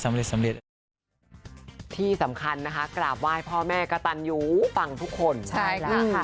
ที่สำคัญนะคะกราบไหว้พ่อแม่กระตันอยู่ฟังทุกคนใช่แล้วค่ะ